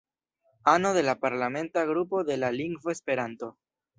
Ano de la Parlamenta Grupo de la Lingvo Esperanto.